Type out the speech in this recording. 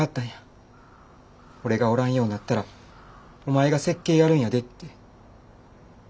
俺がおらんようなったらお前が設計やるんやでって。